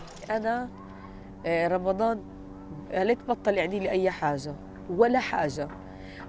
mereka mengambil dari kita anak anak anak anak anak anak